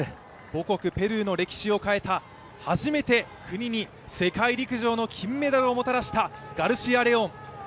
母国ペルーの歴史を変えた、初めて国に世界陸上の金メダルをもたらしたガルシア・レオン。